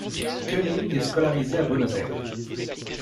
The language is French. Kenig est scolarisé à Buenos Aires.